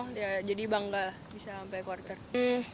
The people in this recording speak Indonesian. priska berkata bahwa dia masih mencapai quarter final